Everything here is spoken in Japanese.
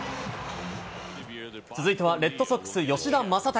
続いてはレッドソックス、吉田正尚。